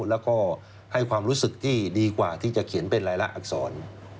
แล้วก็ให้ความรู้สึกที่ดีกว่าที่จะเขียนเป็นรายละอักษร